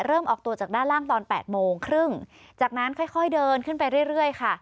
เริ่มออกตัวจากด้านล่างตอนแปดโมงครึ่งจากนั้นค่อยค่อยเดินขึ้นไปเรื่อยเรื่อยค่ะ